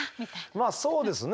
まあそうですね。